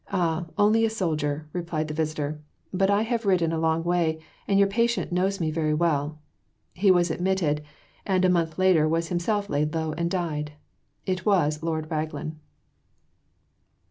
"Ah, only a soldier," replied the visitor, "but I have ridden a long way, and your patient knows me very well." He was admitted, and a month later was himself laid low and died. It was Lord Raglan.